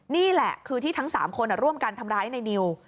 นี่แหละคือที่ทั้ง๓คนร่วมกันทำร้ายในนิว